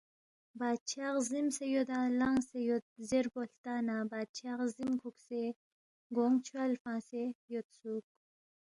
بادشاہ عزِیمسے یودا لنگسے یود زیربو ہلتا نہ بادشاہ غزِیم کُھوکسے گونگ چھوال فنگسے یودسُوک